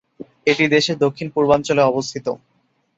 এটি দেশের দক্ষিণ-পূর্বাঞ্চলে অবস্থিত।